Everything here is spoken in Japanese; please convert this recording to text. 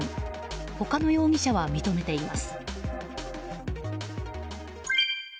他の容疑者は認めています。